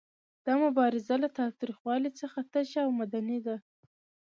دا مبارزه له تاوتریخوالي څخه تشه او مدني ده.